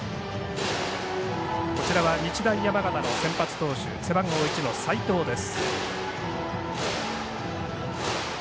日大山形の先発投手背番号１の齋藤です。